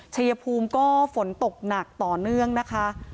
ชายภูมิก็ฝนตกหนักต่อเนื่องนะคะ